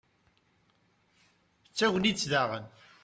d tagnit daɣen